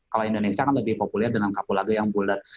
kalau indonesia kan lebih populer dengan kapulaga yang bulat